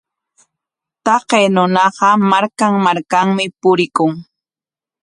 Taqay runaqa markan markanmi purikun.